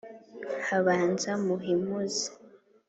habanza muhimuzi